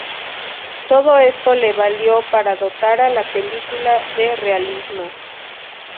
Todo esto le valió para dotar a la película de realismo.